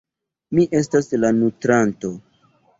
Mi estas la nutranto.